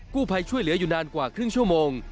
ภัยช่วยเหลืออยู่นานกว่าครึ่งชั่วโมง